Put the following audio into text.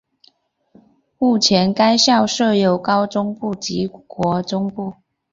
目前该校设有高中部及国中部。